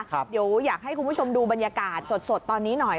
เดี๋ยวอยากให้คุณผู้ชมดูบรรยากาศสดตอนนี้หน่อย